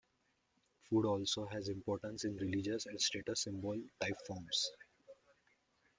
Food also has importance in religious and status-symbol type forms.